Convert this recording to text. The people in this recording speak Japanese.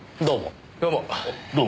どうも。